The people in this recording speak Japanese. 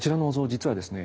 実はですね